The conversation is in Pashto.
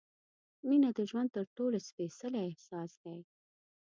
مینه د ژوند تر ټولو سپېڅلی احساس دی.